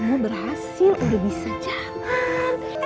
kamu berhasil udah bisa jalan